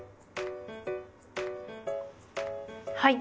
はい。